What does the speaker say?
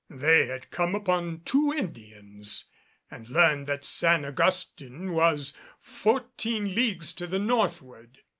They had come upon two Indians and learned that San Augustin was fourteen leagues to the northward.